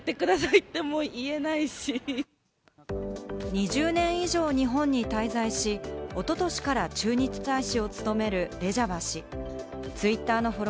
２０年以上、日本に滞在し、おととしから駐日大使を務めるレジャバ氏。